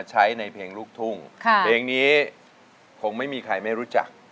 ใช้ในเพลงลูกทุ่งเพลงนี้คงไม่มีใครไม่รู้จัก